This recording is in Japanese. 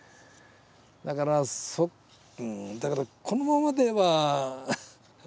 だからだからこのままでは。